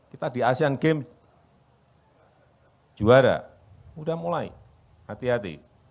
kita di asean games juara sudah mulai hati hati